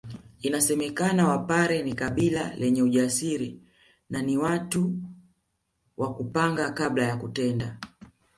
Inasemekana Wapare ni kabila lenye ujasiri na ni watu wa kupanga kabla ya kutenda